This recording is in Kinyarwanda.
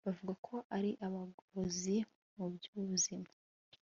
bavuga ko ari abagorozi mu byubuzima